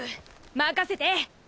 任せて！